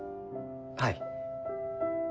はい。